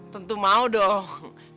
tentu mau dong